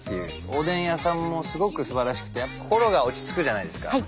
おでん屋さんもすごくすばらしくて心が落ち着くじゃないですか。